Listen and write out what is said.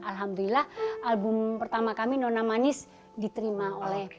alhamdulillah album pertama kami nona manis diterima oleh